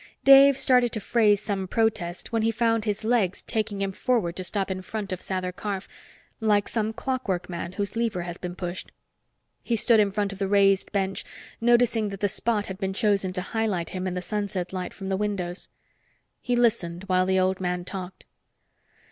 Dave started to phrase some protest, when he found his legs taking him forward to stop in front of Sather Karf, like some clockwork man whose lever has been pushed. He stood in front of the raised bench, noticing that the spot had been chosen to highlight him in the sunset light from the windows. He listened while the old man talked.